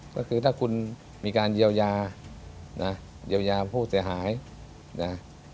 ก็คือถ้าคุณมีการเยียวยานะเยียวยาผู้เสียหายนะ